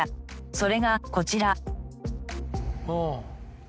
それがこちら。